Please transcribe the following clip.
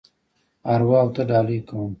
ارواوو ته ډالۍ کوم.